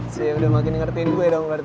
si yang udah makin ngertiin gue dong